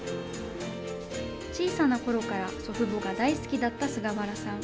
小さなころから祖父母が大好きだった菅原さん。